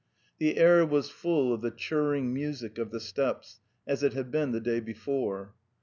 The air was full of the churring music of the steppes, as it had been the day before.